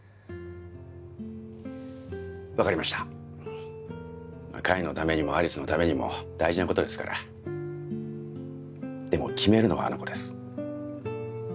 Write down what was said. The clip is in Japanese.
分かりました海のためにも有栖のためにも大事なことですからでも決めるのはあの子です